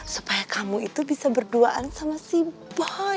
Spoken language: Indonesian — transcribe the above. supaya kamu itu bisa berduaan sama si bayi